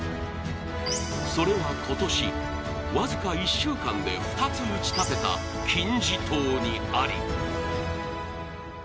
それは今年、僅か１週間で２つ打ちたてた金字塔にあり。